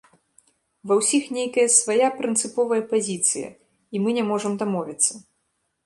Ва ўсіх нейкая свая прынцыповая пазіцыя, і мы не можам дамовіцца.